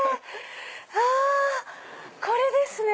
これですね